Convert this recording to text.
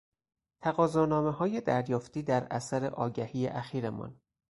تقاضانامههای دریافتی در اثر آگهی اخیرمان